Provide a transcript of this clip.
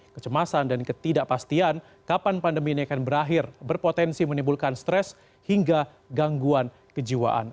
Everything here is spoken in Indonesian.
kecemasan dan ketidakpastian kapan pandemi ini akan berakhir berpotensi menimbulkan stres hingga gangguan kejiwaan